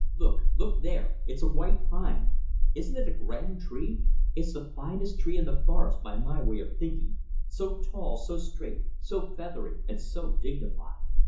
Look! Look there! It's a white pine! Isn't it a grand tree? It's the finest tree in the forest, by my way of thinking, so tall, so straight, so feathery, and so dignified.